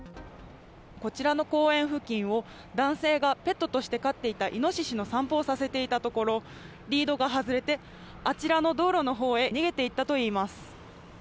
こちらの公園付近を、男性がペットとして飼っていたイノシシの散歩をさせていたところ、リードが外れてあちらの道路のほうへ逃げていったといいます。